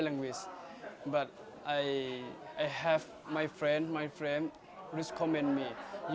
tapi saya memiliki teman teman saya yang memberi komentar kepada saya